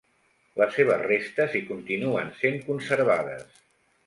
Les seves restes hi continuen sent conservades.